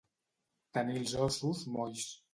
Tenir els ossos molls.